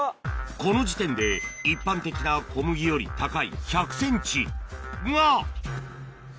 この時点で一般的な小麦より高い１００ｃｍが！